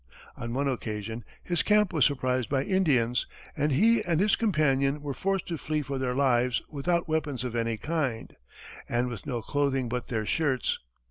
On one occasion, his camp was surprised by Indians, and he and his companion were forced to flee for their lives without weapons of any kind, and with no clothing but their shirts.